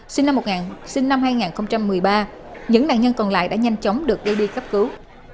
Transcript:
sinh năm hai nghìn một mươi ba những nạn nhân còn lại đã nhanh chóng được đưa đi cấp cứu